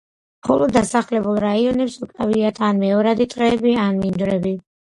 მხოლოდ დასახლებულ რაიონებს უკავიათ ან მეორადი ტყეები, ან მინდვრები.